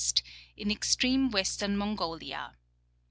in extreme western Mongolia.